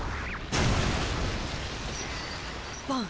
バン。